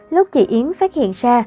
lúc chị yến phát hiện ra